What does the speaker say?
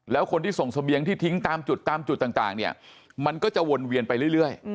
แล้วคนที่ส่งเสบียงที่ทิ้งตามจุดตามจุดต่างเนี่ยมันก็จะวนเวียนไปเรื่อย